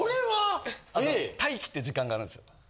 待機って時間があるんですよ。